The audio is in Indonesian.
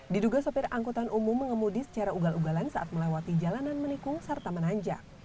diduga sopir angkutan umum mengemudi secara ugal ugalan saat melewati jalanan menikung serta menanjak